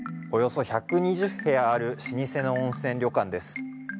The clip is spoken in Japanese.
およそ１２０部屋ある老舗の温泉旅館です。